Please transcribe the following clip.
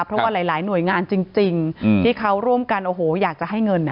เพราะว่าหลายหน่วยงานจริงที่เขาร่วมกันโอ้โหอยากจะให้เงิน